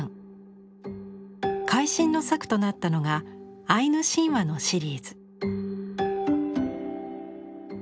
会心の作となったのが「アイヌ神話」のシリーズ。